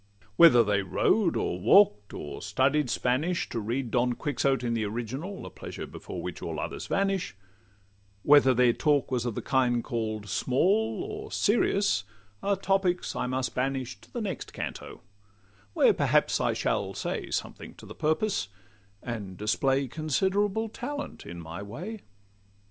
Whether they rode, or walk'd, or studied Spanish To read Don Quixote in the original, A pleasure before which all others vanish; Whether their talk was of the kind call'd 'small,' Or serious, are the topics I must banish To the next Canto; where perhaps I shall Say something to the purpose, and display Considerable talent in my way.